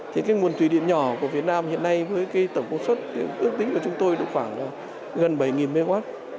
thì cái nguồn thủy điện nhỏ của việt nam hiện nay với cái tổng công suất ước tính của chúng tôi độ khoảng gần bảy mw